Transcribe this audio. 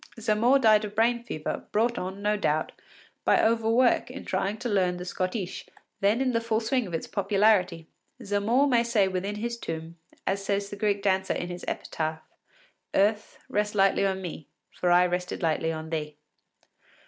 Zamore died of brain fever, brought on, no doubt, by overwork in trying to learn the schottische, then in the full swing of its popularity. Zamore may say within his tomb, as says the Greek dancer in her epitaph: “Earth, rest lightly on me, for I rested lightly on thee.